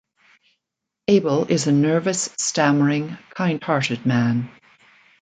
Abel is a nervous, stammering, kind-hearted man.